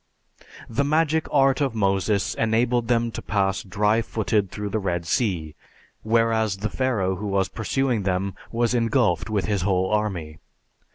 The magic art of Moses enabled them to pass dry footed through the Red Sea, whereas the Pharaoh who was pursuing them was engulfed with his whole army.